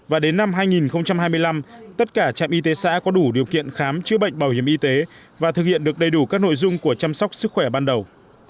và đến năm hai nghìn hai mươi năm tất cả trạm y tế xã có đủ điều kiện khám chữa bệnh bảo hiểm y tế và thực hiện được đầy đủ các nội dung của chăm sóc sức khỏe ban đầu